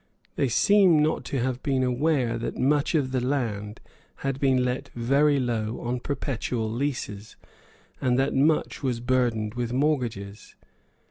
They seem not to have been aware that much of the land had been let very low on perpetual leases, and that much was burdened with mortgages.